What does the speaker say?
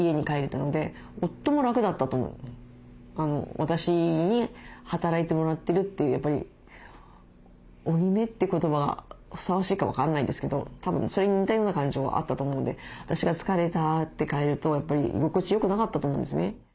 私に働いてもらってるというやっぱり「負い目」って言葉ふさわしいか分かんないですけどたぶんそれに似たような感情はあったと思うので私が「疲れた」って帰るとやっぱり居心地よくなかったと思うんですね。